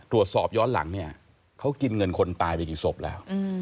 ตรวจสอบย้อนหลังเนี่ยเขากินเงินคนตายไปกี่ศพแล้ว